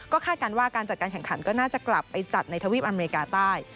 คาดการณ์ว่าการจัดการแข่งขันก็น่าจะกลับไปจัดในทวีปอเมริกาใต้